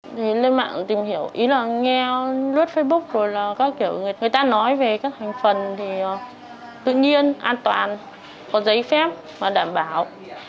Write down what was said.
nghe lướt facebook rồi là người ta nói về các hành phần tự nhiên an toàn có giấy phép và đảm bảo